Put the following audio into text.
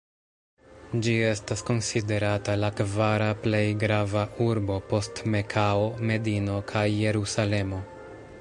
Ĝi estas konsiderata la kvara plej grava urbo post Mekao, Medino kaj "Jerusalemo".